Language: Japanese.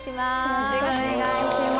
よろしくお願いします。